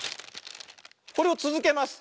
これをつづけます。